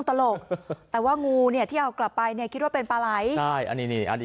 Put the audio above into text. นั่นล่าสุดปลอดภัยนะ